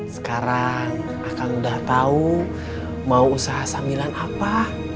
sekarang akan udah tahu mau usaha sambilan apa